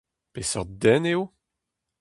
Peseurt den eo ?